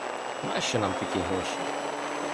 Нащо нам такі гроші?